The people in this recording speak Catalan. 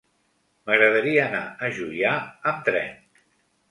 M'agradaria anar a Juià amb tren.